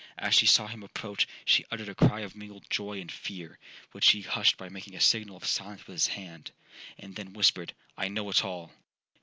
As she saw him approach, she uttered a cry of mingled joy and fear, which he hushed by making a signal of silence with his hand, and then whispered, 'I know it all!'